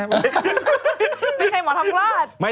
ไม่ใช่หมอทองกลาด